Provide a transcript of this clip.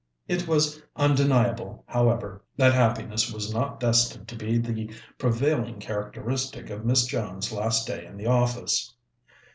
It was undeniable, however, that happiness was not destined to be the prevailing characteristic of Miss Jones's last day in the office.